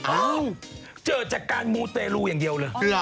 อ้าวเจอจากการมูเตรูอย่างเดียวเลย